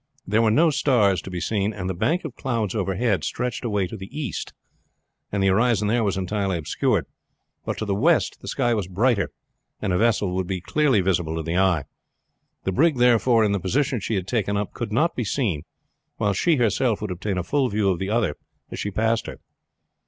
There were no stars to be seen, and the bank of clouds overhead stretched away to the east, and the horizon there was entirely obscured; but to the west the sky was lighter, and a vessel would be clearly visible to the eye. The brig, therefore, in the position she had taken up could not be seen, while she herself would obtain a full view of the other as she passed her.